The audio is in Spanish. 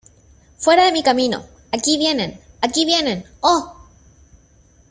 ¡ Fuera de mi camino! ¡ aquí vienen !¡ aquí vienen !¡ oh !